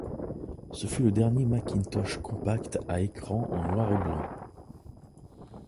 Ce fut le dernier Macintosh compact à écran en noir et blanc.